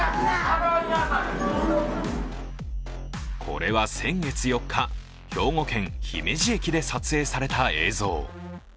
これは先月４日、兵庫県姫路駅で撮影された映像。